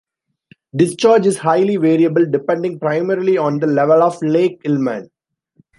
Discharge is highly variable depending primarily on the level of Lake Ilmen.